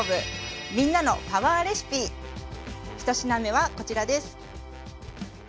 １品目はこちらです。